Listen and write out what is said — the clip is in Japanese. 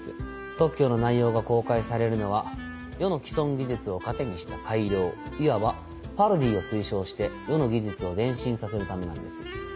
特許の内容が公開されるのは世の既存技術を糧にした改良いわばパロディーを推奨して世の技術を前進させるためなんです。